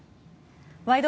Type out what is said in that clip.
「ワイド！